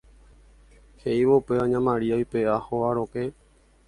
he'ívo upéva ña Maria oipe'a hóga rokẽ